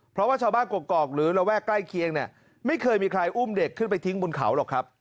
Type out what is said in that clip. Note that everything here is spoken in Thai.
เพราะว่าชาวบ้านกรกหรือระแวกใกล้เคียงเนี่ยไม่เคยมีใครอุ้มเด็กขึ้นไปทิ้งบนเขาหรอกครับ